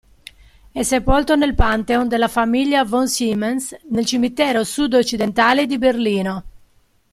È sepolto nel pantheon della famiglia von Siemens nel cimitero sudoccidentale di Berlino.